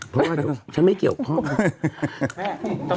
ผมไม่เกี่ยวบัญธิ์